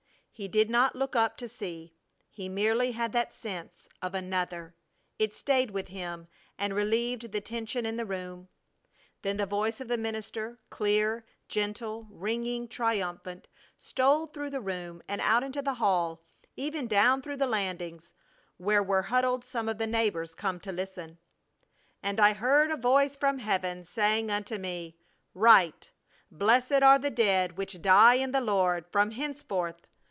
He did not look up to see. He merely had that sense of Another. It stayed with him and relieved the tension in the room. Then the voice of the minister, clear, gentle, ringing, triumphant, stole through the room, and out into the hall, even down through the landings, where were huddled some of the neighbors come to listen: "And I heard a voice from heaven saying unto me: Write Blessed are the dead which die in the Lord from henceforth